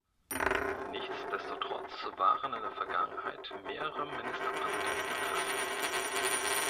Nichtsdestotrotz waren in der Vergangenheit mehrere Ministerpräsidenten Christen.